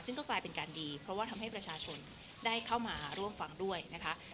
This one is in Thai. ซึ่งก็กลายเป็นการดีเพราะว่าทำให้ประชาชนได้เข้ามาร่วมฟังด้วยนะคะ